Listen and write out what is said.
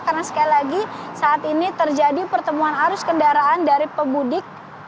karena sekali lagi saat ini terjadi pertemuan arus kendaraan dari pebudik